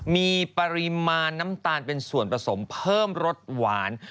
มีปริมาณน้ำตาลเป็นส่วนผสมเพิ่มรสหวาน